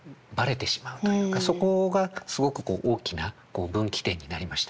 そこがすごくこう大きな分岐点になりました。